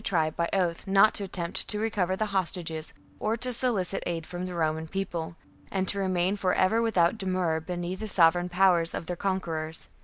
tribe by oath not to attempt to recover the hostages, or to solicit aid from the Roman People, and to remain for ever without demur beneath the sovereign power of their conquerors.